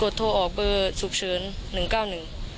กดโทรออกเบอร์สุขเฉิน๑๙๑